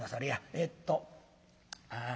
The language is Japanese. えっとああ